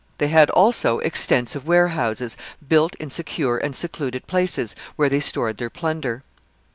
They had also extensive warehouses, built in secure and secluded places, where they stored their plunder.